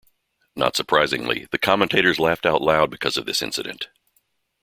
Not surprisingly, the commentators laughed out loud because of this incident.